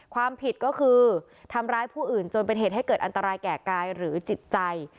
ความผิดก็คือทำร้ายผู้อื่นจนเป็นเหตุให้เกิดอันตรายแก่กายหรือจิตใจ